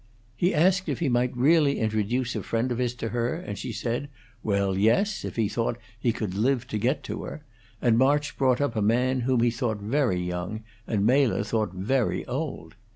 He asked if he might really introduce a friend of his to her, and she said, Well, yes, if he thought he could live to get to her; and March brought up a man whom he thought very young and Mela thought very old.